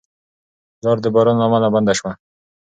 لار د باران له امله بنده شوه.